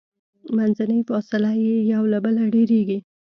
منځنۍ فاصله یې یو له بله ډیریږي.